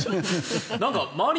なんか周り